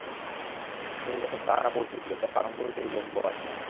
আসরে যখন তাহারা পৌছিল, যাত্রা আরম্ভ হইতে বিলম্ব আছে।